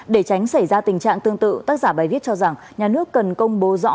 để tránh xảy ra tình trạng tương tự tác giả bài viết cho rằng nhà nước cần công bố rõ